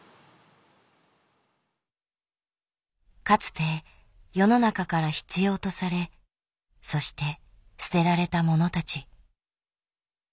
かつて世の中から必要とされそして捨てられたものたち。